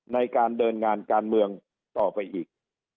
ในการเดินงานการเมืองต่อไปอีก